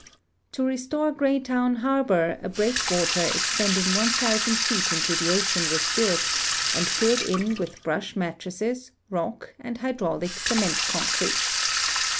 To restore Greytown harbor a break water extending 1,000 feet into tbe ocean was built and lilled in with hrush mattresses, rock, and hydraulic cement concrete.